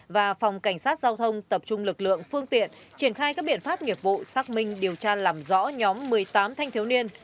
và phòng cảnh sát giao thông tập trung lực lượng phương tiện triển khai các biện pháp nghiệp vụ xác minh điều tra làm rõ nhóm một mươi tám thanh thiếu niên